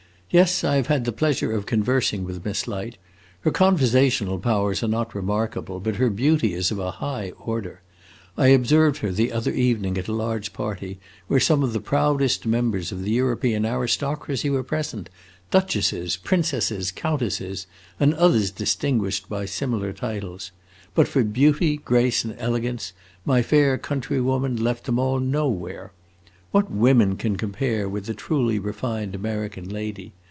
Yes, I have had the pleasure of conversing with Miss Light. Her conversational powers are not remarkable, but her beauty is of a high order. I observed her the other evening at a large party, where some of the proudest members of the European aristocracy were present duchesses, princesses, countesses, and others distinguished by similar titles. But for beauty, grace, and elegance my fair countrywoman left them all nowhere. What women can compare with a truly refined American lady?